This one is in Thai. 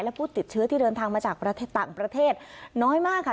และผู้ติดเชื้อที่เดินทางมาจากต่างประเทศน้อยมากค่ะ